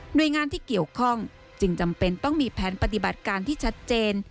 โดยงานที่เกี่ยวข้องจึงจำเป็นต้องมีแผนปฏิบัติการที่ชัดเจน